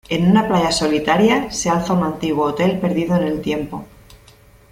En una playa solitaria, se alza un antiguo hotel perdido en el tiempo.